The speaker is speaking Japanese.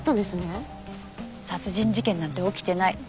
殺人事件なんて起きてない。